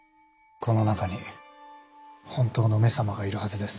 この中に本当の「め様」がいるはずです。